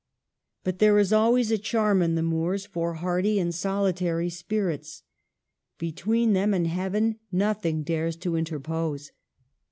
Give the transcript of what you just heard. But there is always a charm in the moors for hardy and solitary spirits. Between them and heaven nothing dares to interpose.